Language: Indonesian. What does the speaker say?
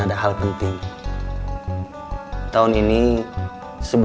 mak permisi dulu